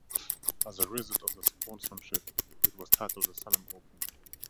As a result of the sponsorship, it was titled the "Salem Open".